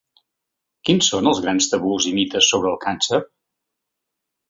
Quins són els grans tabús i mites sobre el càncer?